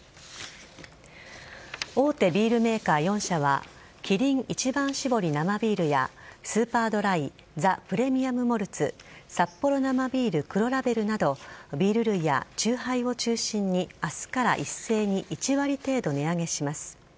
大手ビールメーカー４社はキリン一番搾り生ビールやスーパードライザ・プレミアム・モルツサッポロ生ビール黒ラベルなどビール類やチューハイを中心に明日から一斉に１割程度、値上げします。